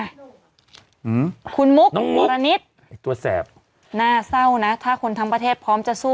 อืมคุณมุกรณิตไอ้ตัวแสบน่าเศร้านะถ้าคนทั้งประเทศพร้อมจะสู้